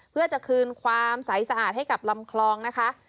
เพื่อจะคืนความใสสะอาดให้กับลำคลองนะคะ